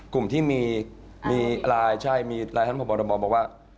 กลุ่มที่มีไลน์ใช่มีไลน์ท่านพบรบบอกว่า